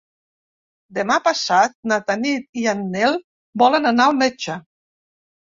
Demà passat na Tanit i en Nel volen anar al metge.